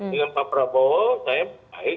dengan pak prabowo saya baik